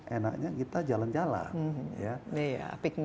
enaknya kita jalan jalan